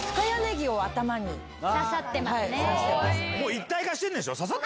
一体化してんでしょ？